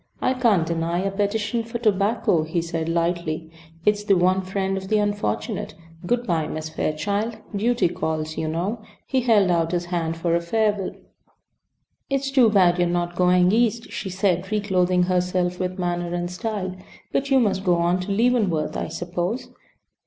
"I can't deny a petition for tobacco," he said, lightly. "It's the one friend of the unfortunate. Good bye, Miss Fairchild. Duty calls, you know." He held out his hand for a farewell. "It's too bad you are not going East," she said, reclothing herself with manner and style. "But you must go on to Leavenworth, I suppose?"